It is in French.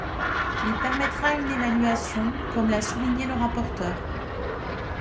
Il permettra une évaluation, comme l’a souligné le rapporteur.